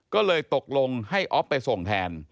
ก็เลยตกลงให้อ๊อฟไปส่งแทน